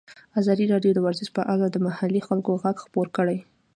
ازادي راډیو د ورزش په اړه د محلي خلکو غږ خپور کړی.